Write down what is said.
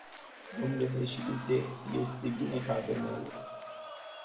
Dle președinte, este bine că avem euro.